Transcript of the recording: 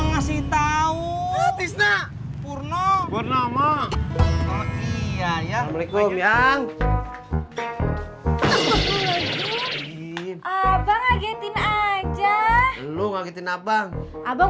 ngasih tahu nah purno bernama iya ya amrikum yang abang ngegetin aja lu ngagetin abang abang